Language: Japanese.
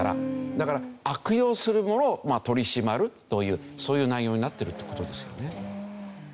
だから悪用する者を取り締まるというそういう内容になってるって事ですよね。